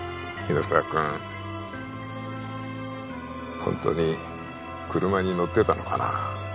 ホントに車に乗ってたのかな